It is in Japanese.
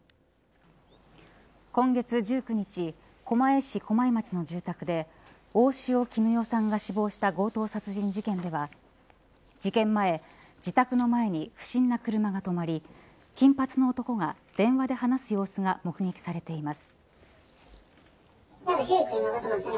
今月１９日狛江市駒井町の住宅で大塩衣与さんが死亡した強盗殺人事件では事件前、自宅の前に不審な車が止まり金髪の男が電話で話す様子が目撃されています。